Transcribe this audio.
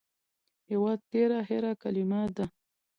يوه تېره هېره کلمه ده